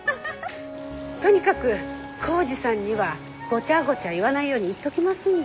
とにかく耕治さんにはごちゃごちゃ言わないように言っときますので。